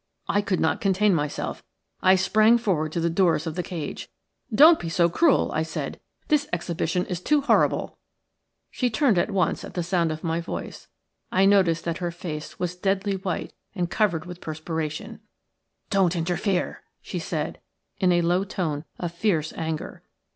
I could not contain myself. I sprang forward to the doors of the cage. "SHE LASHED THE ANIMAL SEVERAL TIMES UNMERCIFULLY." "Don't be so cruel," I said; "this exhibition is too horrible." She turned at once at the sound of my voice. I noticed that her face was deadly white and covered with perspiration. "Don't interfere," she said, in a low tone of fierce anger.